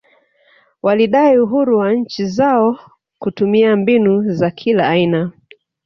Walidai uhuru wa nchi zao kutumia mbinu za kila aina